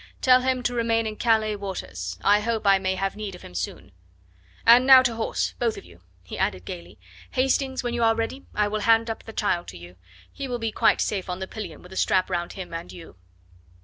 Tell him to remain in Calais waters. I hope I may have need of him soon. "And now to horse, both of you," he added gaily. "Hastings, when you are ready, I will hand up the child to you. He will be quite safe on the pillion with a strap round him and you."